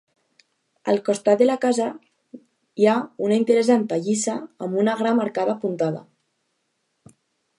Al costat de la casa hi ha una interessant pallissa amb una gran arcada apuntada.